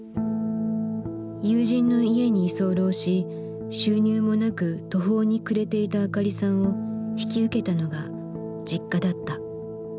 友人の家に居候し収入もなく途方に暮れていたあかりさんを引き受けたのがＪｉｋｋａだった。